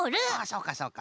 そうかそうか。